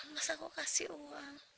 mas aku kasih uang